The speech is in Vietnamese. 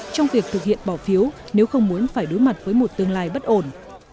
trong việc thực hiện bỏ phiếu nếu không muốn phải đối mặt với một tương lai bất ổn